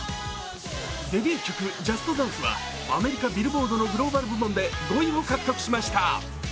デビュー曲「ＪＵＳＴＤＡＮＣＥ」はアメリカ・ビルボードのグローバル部門で５位を獲得しました。